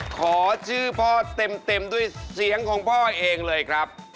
ขอชื่อเพาะใหม่เต็มด้วยเสียงของเพาะเองเลยครับ